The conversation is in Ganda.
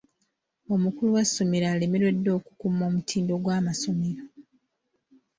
Omukulu w'essomero alemereddwa okukuuma omutindo gw'amasomero.